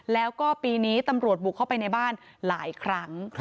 แล้วก็ปีนี้ตำรวจบุกเข้าไปในบ้านหลายครั้ง